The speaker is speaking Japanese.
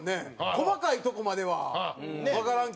細かいとこまではわからんけど。